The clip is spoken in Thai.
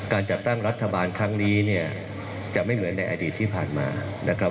การจัดตั้งรัฐบาลครั้งนี้เนี่ยจะไม่เหมือนในอดีตที่ผ่านมานะครับ